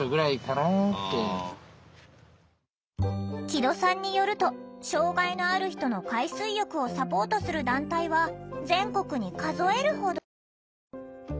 木戸さんによると障害のある人の海水浴をサポートする団体は全国に数えるほど。